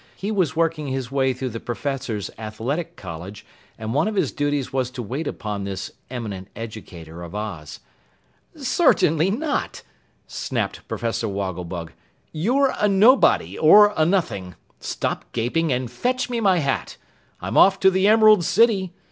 He was working his way through the Professor's Athletic college, and one of his duties was to wait upon this eminent educator of Oz. "Certainly not!" snapped Professor Wogglebug. "You're a nobody or a nothing. Stop gaping and fetch me my hat. I'm off to the Emerald City.